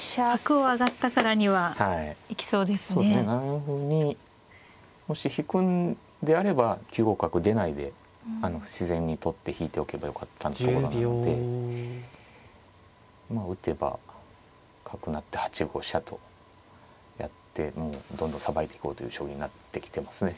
７四歩にもし引くんであれば９五角出ないで自然に取って引いておけばよかったところなのでまあ打てば角成って８五飛車とやってもうどんどんさばいていこうという将棋になってきてますね。